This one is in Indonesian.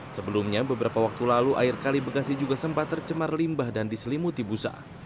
sebelumnya beberapa waktu lalu air kali bekasi juga sempat tercemar limbah dan diselimuti busa